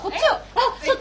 ・あっ